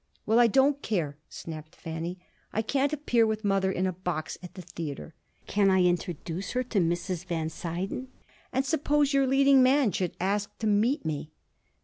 "Well, I don't care," snapped Fanny. "I can't appear with mother in a box at the theater. Can I introduce her to Mrs. Van Suyden? And suppose your leading man should ask to meet me?"